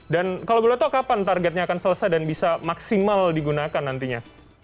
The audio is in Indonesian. dan kalau belum tahu kapan targetnya akan selesai dan bisa maksimal digunakan nantinya